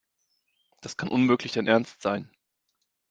Das kann unmöglich dein Ernst sein.